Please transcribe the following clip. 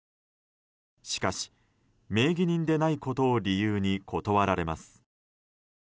しかし、名義人でないことを理由に断られます。